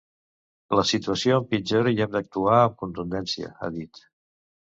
La situació empitjora i hem d’actuar amb contundència, ha dit.